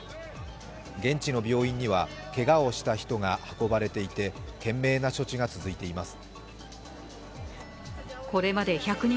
現地の病院にはけがをした人が運ばれていて懸命な処置が続いています。